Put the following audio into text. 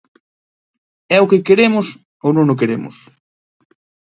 ¿É o que queremos ou non o queremos?